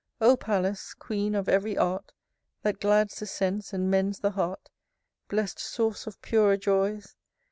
IV. O Pallas! queen of ev'ry art, That glads the sense, and mends the heart, Blest source of purer joys!